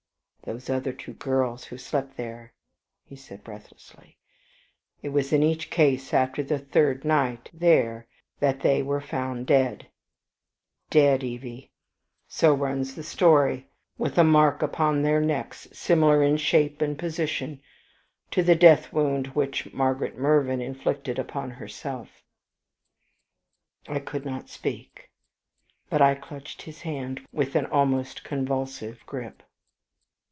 "Those other two girls who slept there," he said, breathlessly; "it was in each case after the third night there that they were found dead dead, Evie, so runs the story, with a mark upon their necks similar in shape and position to the death wound which Margaret Mervyn inflicted upon herself." I could not speak, but I clutched his hand with an almost convulsive grip.